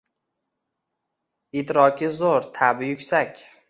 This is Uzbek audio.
Idroki zoʼr, taʼbi yuksak